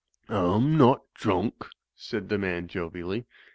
A'm not droonk," said the man, jovially.